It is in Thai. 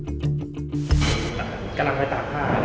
ไม่มีทางที่หรอ